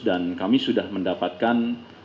dan kami sudah mendapatkan